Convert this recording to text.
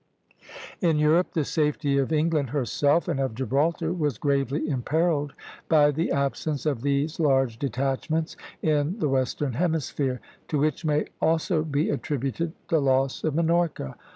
In Europe, the safety of England herself and of Gibraltar was gravely imperilled by the absence of these large detachments in the Western Hemisphere, to which may also be attributed the loss of Minorca.